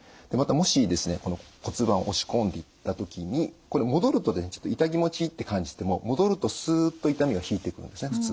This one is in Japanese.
またもしこの骨盤を押し込んでいった時に戻るとちょっと痛気持ちいいって感じても戻るとすっと痛みが引いていくんですね